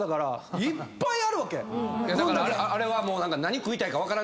だからあれは。